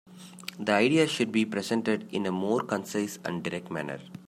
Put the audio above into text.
The ideas should be presented in a more concise and direct manner.